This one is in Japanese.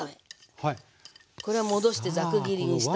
これは戻してザク切りにしたもの。